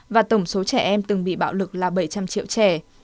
và tổng số trẻ em từng bị bạo lực là bảy trăm linh triệu trẻ